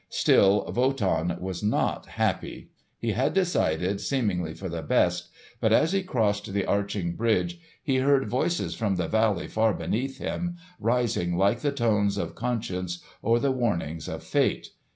Still Wotan was not happy. He had decided seemingly for the best; but as he crossed the arching bridge he heard voices from the valley far beneath him, rising like the tones of conscience or the warnings of fate.